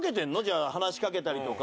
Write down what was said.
じゃあ話しかけたりとか。